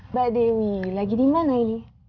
mbak dewi lagi di mana ini